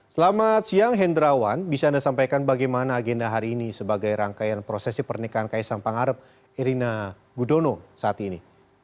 selamat siang hendrawan bisa anda sampaikan bagaimana agenda hari ini sebagai rangkaian prosesi pernikahan kaisang pangarep irina gudono saat ini